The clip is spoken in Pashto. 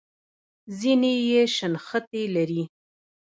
ځینې یې شنختې لري.